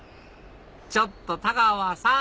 ちょっと太川さん！